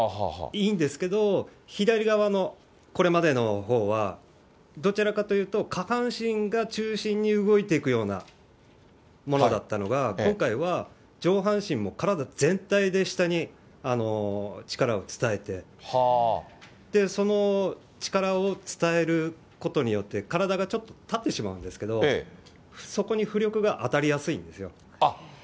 いいんですけれども、左側のこれまでのほうは、どちらかというと、下半身が中心に動いていくようなものだったのが、今回は、上半身も体全体で下に力を伝えて、その力を伝えることによって、体がちょっと立ってしまうんですけれども、そこに浮力が当たりやすいんですよ。